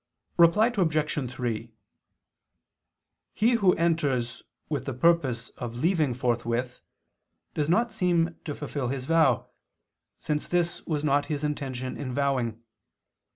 Reply Obj. 3: He who enters with the purpose of leaving forthwith, does not seem to fulfil his vow, since this was not his intention in vowing.